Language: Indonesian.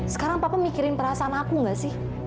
sekarang papa mikirin perasaan aku gak sih